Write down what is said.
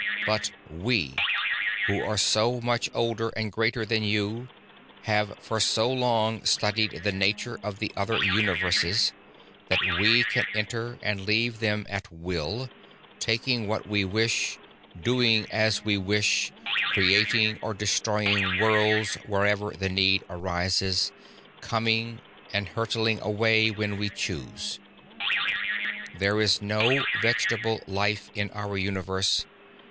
But we, who are so much older and greater than you, have for so long studied the nature of the other universes that we can enter and leave them at will, taking what we wish, doing as we wish, creating or destroying worlds whenever the need arises, coming and hurtling away when we choose. "There is no vegetable life in our universe.